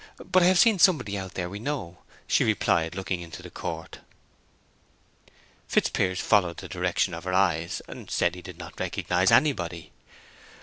But I have seen somebody out there that we know," she replied, looking into the court. Fitzpiers followed the direction of her eyes, and said he did not recognize anybody.